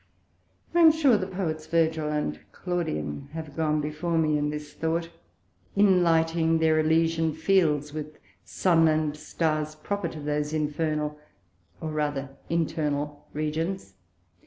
I am sure the Poets Virgil and Claudian have gone before me in this Thought, inlightning their Elysian Fields with Sun and Stars proper to those infernal, or rather internal Regions.